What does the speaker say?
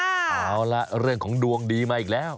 เอาล่ะเรื่องของดวงดีมาอีกแล้ว